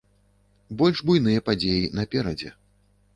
Больш буйныя падзеі наперадзе.